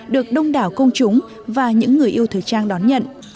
được đông đảo công chúng và những người yêu thời trang đón nhận